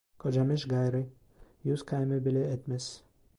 Kocamış gayrı, yüz kayme bile etmez!